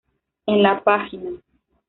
En la pág.